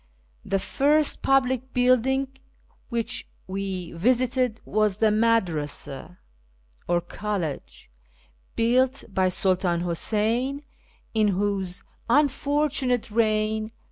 The first public building which we visited was the Madrasa, or College, built by Sultan Huseyn, in whose unfortunate reign (A.